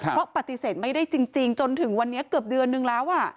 เพราะปฏิเสธไม่ได้จริงจนถึงวันนี้เกือบเดือนนึงแล้ว